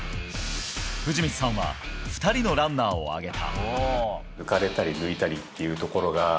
藤光さんは２人のランナーを挙げた。